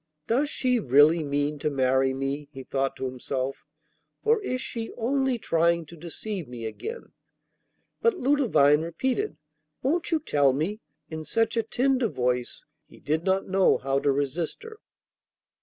'Does she really mean to marry me,' he thought to himself, 'or is she only trying to deceive me again?' But Ludovine repeated, 'Won't you tell me?' in such a tender voice he did not know how to resist her.